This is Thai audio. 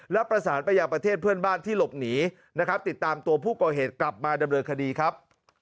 และประสานไปยังประเทศเพื่อนบ้านที่หลบหนีนะครับติดตามตัวผู้ก่อเหตุกลับมาดำเนินคดีครับ